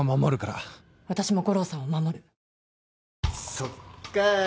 そっか。